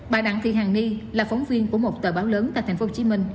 bà đặng thị hàng ni là phóng viên của một tờ báo lớn tại tp hcm